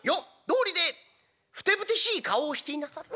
どうりでふてぶてしい顔をしていなさる。